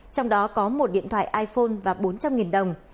trong đó có một điện thoại iphone và bốn trăm linh đồng